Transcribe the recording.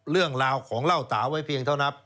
เรื่องราวของเหล้าตาไว้เพียงเท่านั้น